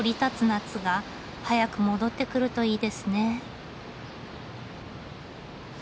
夏が早く戻ってくるといいですね。